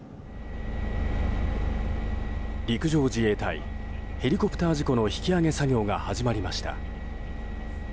陸上自衛隊、ヘリコプター事故の引き揚げ作業が始まりました。